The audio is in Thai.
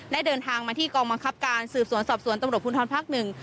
เดินทางมาที่กองบังคับการสืบสวนสอบสวนตำรวจภูทรภาคหนึ่ง